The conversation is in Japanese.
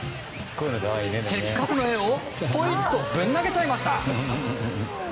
せっかくの絵をポイっとぶん投げちゃいました。